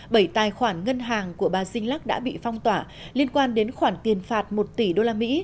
bảy tài khoản ngân hàng của bà sinh lắc đã bị phong tỏa liên quan đến khoản tiền phạt một tỷ usd